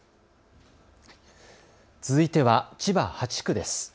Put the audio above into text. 続いては千葉８区です。